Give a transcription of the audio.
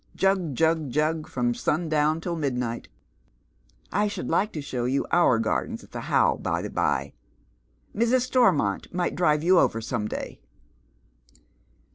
Jug jug jug from sundown till midnight I Bhould like to show you our gardens at the How, by the by. Mrs. Stormont might drive you over some day."